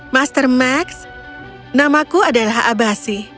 master max namaku adalah abasi